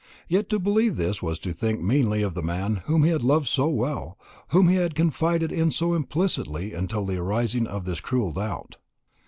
Yet to believe this was to think meanly of the man whom he had loved so well, whom he had confided in so implicitly until the arising of this cruel doubt.